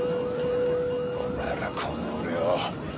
お前らこの俺を。